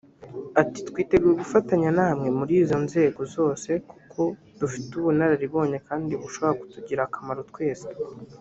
Ati “Twiteguye gufatanya namwe muri izo nzego zose kuko dufite ubunararibonye kandi bushobora kutugirira akamaro twese